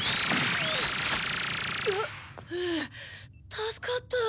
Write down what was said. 助かった。